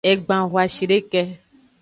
Egban hoashideka.